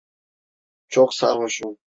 Çok sarhoşum.